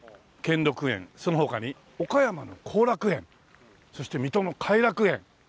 その他に岡山の後楽園そして水戸の偕楽園。